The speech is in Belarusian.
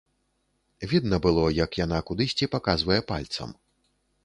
Відна было, як яна кудысьці паказвае пальцам.